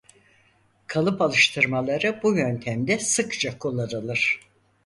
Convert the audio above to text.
Kalıp alıştırmaları bu yöntemde sıkça kullanılır.